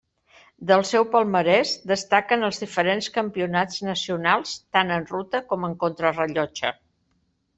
Del seu palmarès destaquen els diferents campionats nacionals tant en ruta com en contrarellotge.